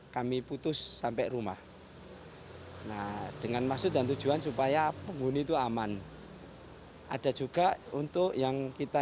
kami putus sampai rumah nah dengan maksud dan tujuan supaya penghuni itu aman ada juga untuk yang kita